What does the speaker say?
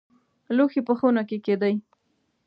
لوښي په خونه کې کښېږدئ